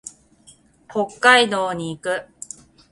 北海道に行く。